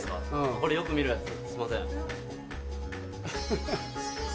これよく見るやつすいません。